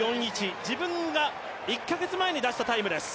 自分が１カ月前に出したタイムです